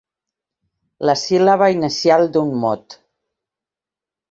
La síl·laba inicial d'un mot.